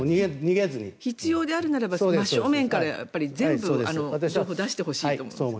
必要であるなら真正面から情報を出してほしいと思います。